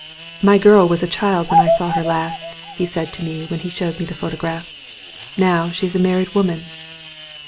"My girl was a child when I saw her last," he said to me when he showed me the photograph. "Now she's a married woman."